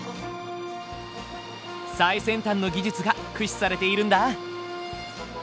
最先端の技術が駆使されているんだ。